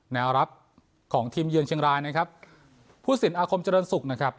แนวรับของทีมเยือนเชียงรายนะครับผู้สินอาคมเจริญศุกร์นะครับ